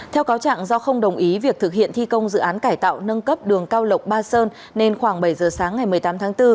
theo cáo trạng do không đồng ý việc thực hiện thi công dự án cải tạo nâng cấp đường cao lộc ba sơn nên khoảng bảy giờ sáng ngày một mươi tám tháng bốn